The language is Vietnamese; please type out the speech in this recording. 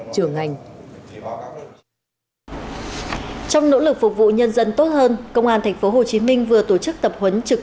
trong nỗ lực phục vụ nhân dân tốt hơn công an thành phố hồ chí minh vừa tổ chức tập huấn trực